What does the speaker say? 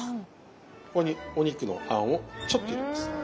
ここにお肉の餡をちょっと入れます。